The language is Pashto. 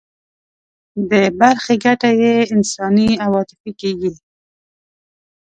د برخې ګټه یې انساني او عاطفي کېږي.